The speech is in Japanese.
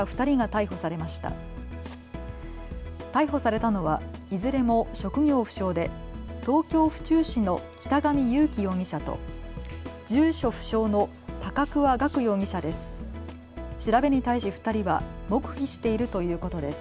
逮捕されたのはいずれも職業不詳で東京府中市の北上優樹容疑者と住所不詳の高桑岳容疑者です。